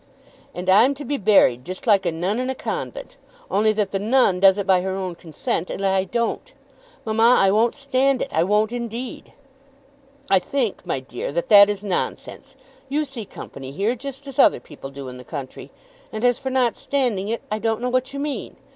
"And I'm to be buried just like a nun in a convent, only that the nun does it by her own consent and I don't! Mamma, I won't stand it. I won't indeed." "I think, my dear, that that is nonsense. You see company here, just as other people do in the country; and as for not standing it, I don't know what you mean.